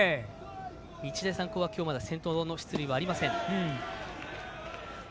日大三高は今日まだ先頭の出塁はありません。